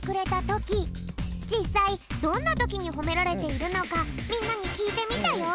じっさいどんなときにほめられているのかみんなにきいてみたよ！